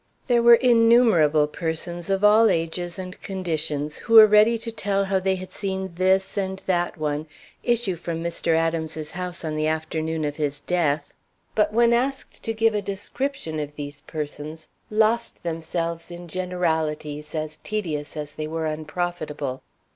There were innumerable persons of all ages and conditions who were ready to tell how they had seen this and that one issue from Mr. Adams's house on the afternoon of his death, but when asked to give a description of these persons, lost themselves in generalities as tedious as they were unprofitable.